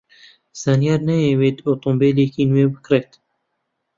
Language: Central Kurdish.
زانیار نایەوێت ئۆتۆمۆبیلێکی نوێ بکڕێت.